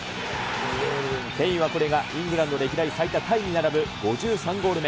ケインはこれがイングランド歴代最多タイに並ぶ５３ゴール目。